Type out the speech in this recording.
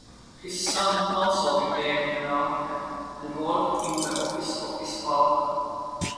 His son also became an architect and worked in the office of his father.